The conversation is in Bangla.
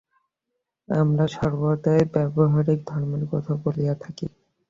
আমরা সর্বদাই ব্যবহারিক ধর্মের কথা বলিয়া থাকি।